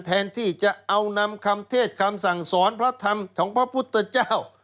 แทนที่จะเอานำคำเทศคำสั่งสอนพระธรรมของพระพุทธเจ้า